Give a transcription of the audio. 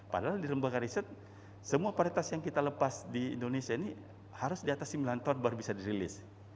padahal di lembaga riset semua paritas yang kita lepas di indonesia ini harus di atas sembilan ton baru bisa dirilis